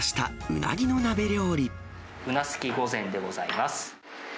うなすき御膳でございます。